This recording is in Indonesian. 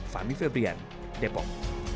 fami febrian depok